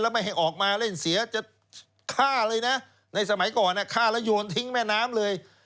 ไม่ให้ออกมาเล่นเสียจะฆ่าเลยนะในสมัยก่อนฆ่าแล้วโยนทิ้งแม่น้ำเลย